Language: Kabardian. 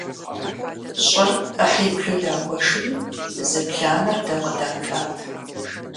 ЩӀыр Ӏыхьиблу ягуэшри, зы бланэр дэ къыдатат.